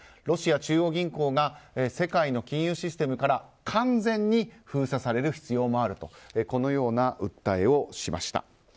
ロシア中央銀行が世界の金融システムから完全に封鎖される必要もあるとこのような訴えをしました。